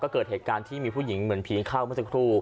เกิดเหตุการณ์ที่มีผู้หญิงเหมือนผีเข้าเมื่อสักครู่